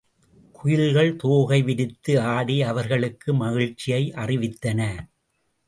குயில்கள் தோகை விரித்து ஆடி அவர்களுக்கு மகிழ்ச்சியை அறிவித்தன.